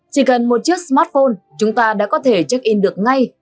chỉ cần một chiếc smartphone chúng ta đã có thể check in được ngay